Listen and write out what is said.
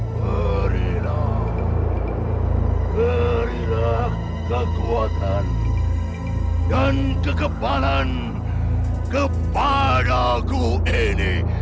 berilah berilah kekuatan dan kekebalan kepadaku ini